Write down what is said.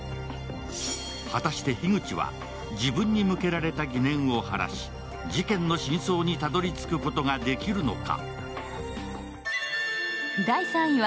果たして樋口は自分に向けられた疑念を晴らし事件の真相にたどり着くことができるのか。